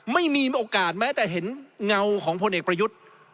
ไม่มีโอกาสแม้แต่เห็นเงาของพลเอกประยุทธ์